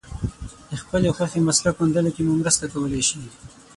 د خپلې خوښې مسلک موندلو کې مو مرسته کولای شي.